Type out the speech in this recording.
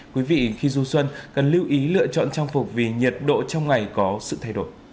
quý vị khi du xuân cần lưu ý lựa chọn trang phục vì nhiệt độ trong ngày có sự thay đổi